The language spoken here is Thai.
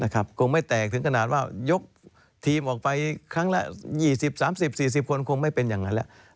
คงไม่แตกถึงขนาดว่ายกทีมออกไปครั้งละ๒๐๓๐๔๐คนคงไม่เป็นอย่างนั้นแล้ว